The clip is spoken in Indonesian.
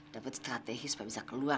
dapet strategi supaya bisa kelulusan